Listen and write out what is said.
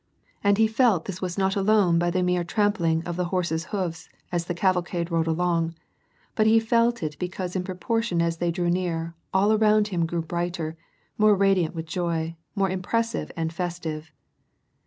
And he felt this not alone by the mere trampling of the horse's hoofs as the cavalcade rode along, but he felt it because in proportion as they drew near, all around him grew brighter, more radiant with joy, more impressive and festive.